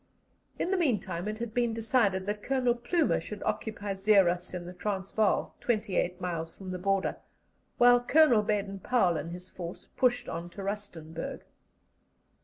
In the meantime it had been decided that Colonel Plumer should occupy Zeerust in the Transvaal, twenty eight miles from the border, while Colonel Baden Powell and his force pushed on to Rustenburg.